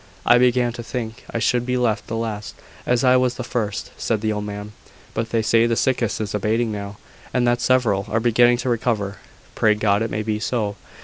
"I began to think I should be left the last, as I was the first," said the old man: "but they say the sickness is abating now, and that several are beginning to recover. Pray God it may be so!